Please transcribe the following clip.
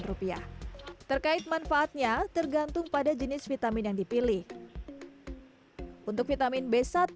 rupiah terkait manfaatnya tergantung pada jenis vitamin yang dipilih untuk vitamin b satu